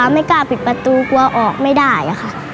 ไม่กล้าปิดประตูกลัวออกไม่ได้ค่ะ